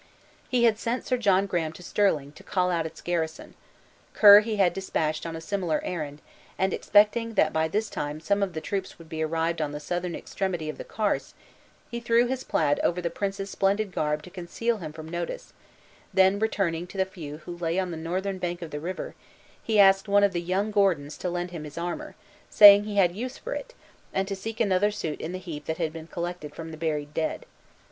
He had sent Sir John Graham to Stirling, to call out its garrison; Ker he had dispatched on a similar errand; and expecting that by this time some of the troops would be arrived on the southern extremity of the carse, he threw his plaid over the prince's splendid garb to conceal him from notice; then returning to the few who lay on the northern bank of the river, he asked one of the young Gordons to lend him his armor, saying he had use for it, and to seek another suit in the heap that had been collected from the buried dead.